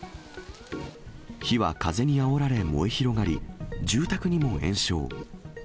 火は風にあおられ燃え広がり、住宅にも延焼。